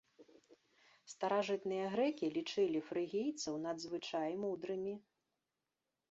Старажытныя грэкі лічылі фрыгійцаў надзвычай мудрымі.